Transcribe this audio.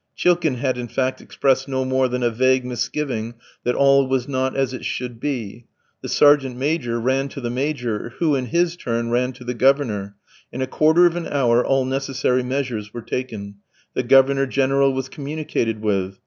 Chilkin had, in fact, expressed no more than a vague misgiving that all was not as it should be. The sergeant major ran to the Major, who in his turn ran to the Governor. In a quarter of an hour all necessary measures were taken. The Governor General was communicated with.